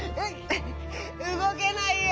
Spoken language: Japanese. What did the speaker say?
うごけないよ。